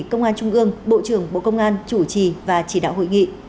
công an trung ương bộ trưởng bộ công an chủ trì và chỉ đạo hội nghị